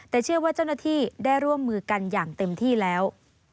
แต่เชื่อว่าเจ้าหน้าที่ได้ร่วมมือกันอย่างเต็มที่แล้ว